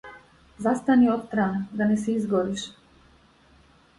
Застани отсрана да не се изгориш.